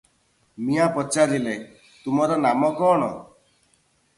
ମିଆଁ ପଚାରିଲେ,"ତୁମର ନାମ କଅଣ?"